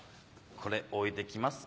これ置いて行きます